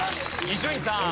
伊集院さん。